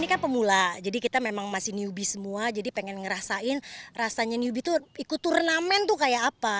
ini kan pemula jadi kita memang masih newbie semua jadi pengen ngerasain rasanya newbie tuh ikut turnamen tuh kayak apa